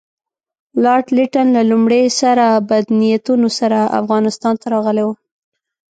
لارډ لیټن له لومړي سره بد نیتونو سره افغانستان ته راغلی وو.